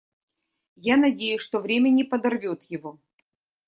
Я надеюсь, что время не подорвет его.